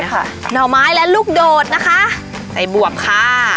ใช่ค่ะหน่อไม้และลูกโดดนะคะใส่บวบค่ะ